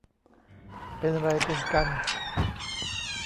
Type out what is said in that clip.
เป็นไรเป็นกัน